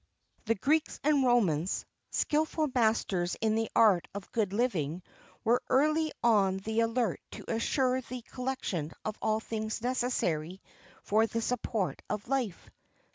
[XXX 6] The Greeks and Romans, skilful masters in the art of good living, were early on the alert to assure the collection of all things necessary for the support of life.